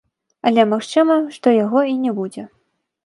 Але магчыма, што яго і не будзе.